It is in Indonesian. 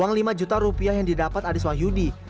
uang lima juta rupiah yang didapat aris wahyudi